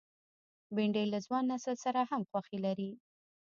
بېنډۍ له ځوان نسل سره هم خوښي لري